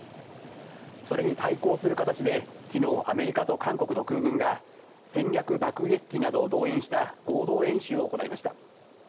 それに対抗する形で昨日アメリカと韓国の空軍が戦略爆撃機などを動員した合同演習を行いました。